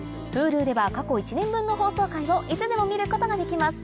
Ｈｕｌｕでは過去１年分の放送回をいつでも見ることができます